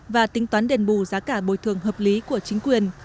và tính toán đền bù giá cả bồi thường hợp lý của chính quyền